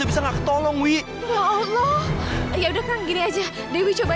mbak jangan mbak